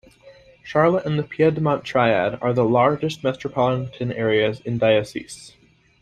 Charlotte and the Piedmont Triad are the largest metropolitan areas in the diocese.